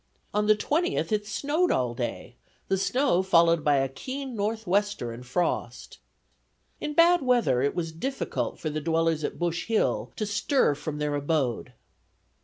On the 20th, it snowed all day, the snow followed by a keen northwester and frost. In bad weather it was difficult for the dwellers at Bush Hill to stir from their abode.